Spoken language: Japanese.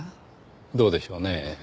どうでしょうねぇ。